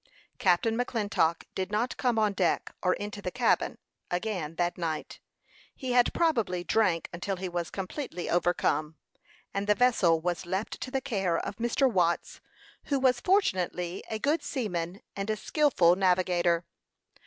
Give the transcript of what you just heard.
Captain McClintock did not come on deck, or into the cabin, again that night. He had probably drank until he was completely overcome, and the vessel was left to the care of Mr. Watts, who was fortunately a good seaman and a skilful navigator.